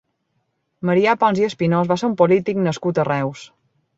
Marià Pons i Espinós va ser un polític nascut a Reus.